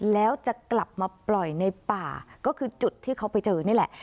แล้วจะกลับมาปล่อยในป่าก็คือจุดที่เขาไปเจอนี่แหละ